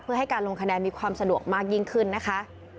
เพื่อให้การลงคะแนนมีความสะดวกมากยิ่งขึ้นนะคะ